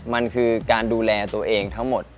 มันคือการดูแลตัวเองทั้งหมด